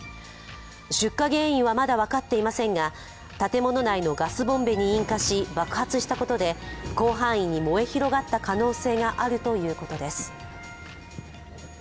出火原因はまだ分かっていませんが建物内のガスボンベに引火し爆発したことで、広範囲に燃え広がった可能性があるということです。